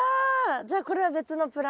じゃあこれは別のプランターで。